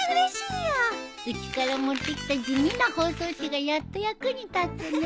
うちから持ってきた地味な包装紙がやっと役に立つね。